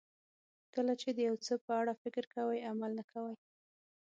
کله چې د یو څه په اړه فکر کوئ عمل نه کوئ.